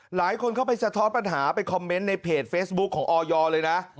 หลายคนเข้าไปสะท้อนปัญหาไปคอมเมนต์ในเพจเฟซบุ๊คของออยเลยนะ